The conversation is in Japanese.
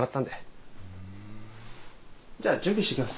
じゃあ準備してきます。